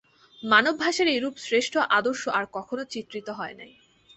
মানবভাষায় এরূপ শ্রেষ্ঠ আদর্শ আর কখনও চিত্রিত হয় নাই।